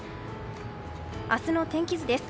明日の天気図です。